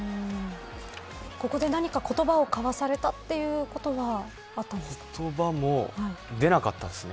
ここで何か言葉をかわされたということは言葉も出なかったですね